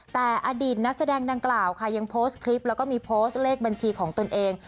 แต่อดีตนักแสดงดังกล่าวค่ะยังโพสต์คลิปแล้วก็มีโพสต์เลขบัญชีของตนเอง